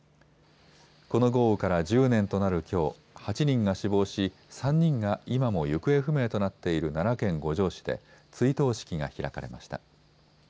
この豪雨から１０年となるきょう８人が死亡し、３人が今も行方不明となっている奈良県五條市で追悼式が開かれました。